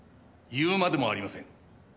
言うまでもありません。